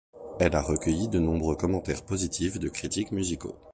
Elle a recueilli de nombreux commentaires positifs de critiques musicaux.